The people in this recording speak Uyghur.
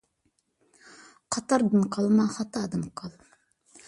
قاتاردىن قالما، خاتادىن قال.